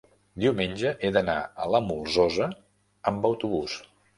diumenge he d'anar a la Molsosa amb autobús.